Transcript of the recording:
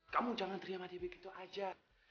kamu jangan teriak sama dia begitu aja